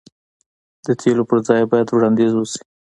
د تپلو پر ځای باید وړاندیز وشي.